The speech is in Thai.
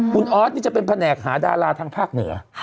คุณออสนี่จะเป็นแผนกหาดาราทางภาคเหนือ